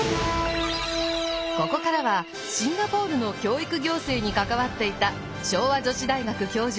ここからはシンガポールの教育行政に関わっていた昭和女子大学教授